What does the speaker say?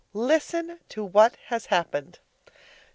Listen to what has happened.